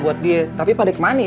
buat dia tapi pak dek mane